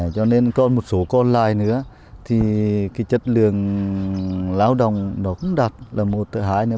cho nên có một số con lai nữa thì cái chất lượng lao động nó cũng đạt là một hại nữa